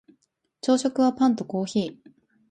朝食はパンとコーヒー